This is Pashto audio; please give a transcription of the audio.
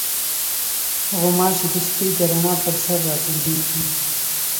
غوماشې د شپې د رڼا پر سر راټولېږي.